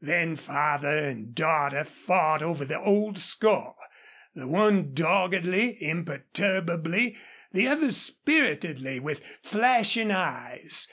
Then father and daughter fought over the old score, the one doggedly, imperturbably, the other spiritedly, with flashing eyes.